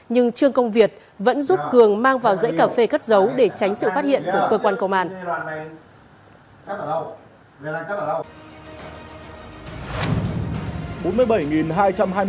nhưng trương công việt vẫn giúp cường mang vào dãy cà phê cất giấu để tránh sự phát hiện của cơ quan công an